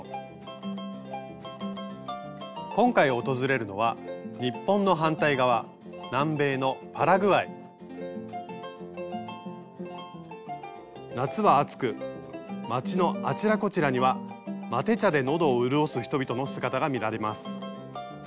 今回訪れるのは日本の反対側南米の夏は暑く街のあちらこちらにはマテ茶で喉を潤す人々の姿が見られます。